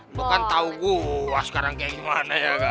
lo kan tahu gue sekarang kayak gimana ya kak